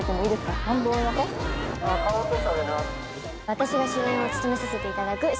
私が主演を務めさせていただく。